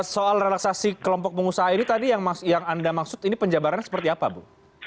soal relaksasi kelompok pengusaha ini tadi yang anda maksud ini penjabarannya seperti apa bu